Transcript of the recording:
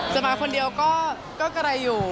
จะมาคนเดียวก็ก็กระดายอยู่